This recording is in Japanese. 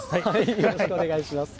よろしくお願いします。